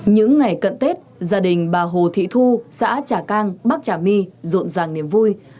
những ngày cận tết gia đình bà hồ thị thu xã trà cang bắc trà my rộn ràng niềm vui